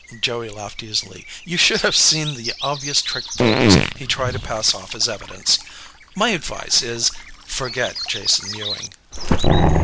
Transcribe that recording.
Joey laughed easily. "You should have seen the obvious trick photos he tried to pass off as evidence. My advice is: forget Jason Ewing."